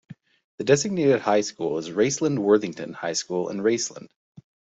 The designated high school is Raceland-Worthington High School in Raceland.